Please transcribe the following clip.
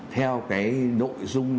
theo cái nội dung